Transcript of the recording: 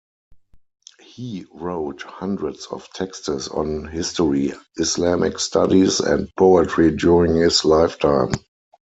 He wrote hundreds of texts on history, Islamic studies, and poetry during his lifetime.